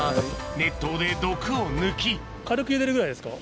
熱湯で毒を抜き軽くゆでるぐらいですか？